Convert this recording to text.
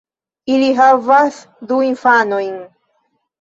Ili havas du infanojn.